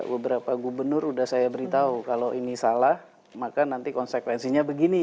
beberapa gubernur sudah saya beritahu kalau ini salah maka nanti konsekuensinya begini